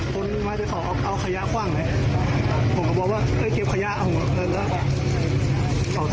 คนครับว่าให้แอ้งเขาโวยวายมากโบสดเสร็จ